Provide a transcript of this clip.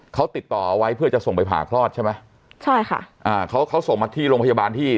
เขาติดต่อเอาไว้เพื่อจะส่งไปผ่าคลอดใช่ไหมใช่ค่ะอ่าเขาเขาส่งมาที่โรงพยาบาลที่